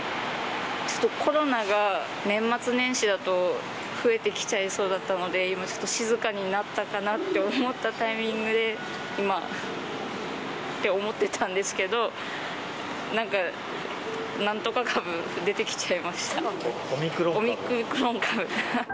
ちょっとコロナが、年末年始だと増えてきちゃいそうだったので、今ちょっと静かになったかなと思ったタイミングで、今って思ってたんですけど、なんか、なんとか株、出てきちゃオミクロン株？